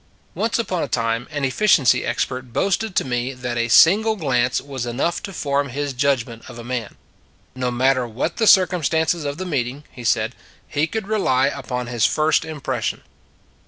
Once upon a time an efficiency expert boasted to me that a single glance was enough to form his judgment of a man. No matter what the circumstances of the meeting, he said, he could rely upon his first impression.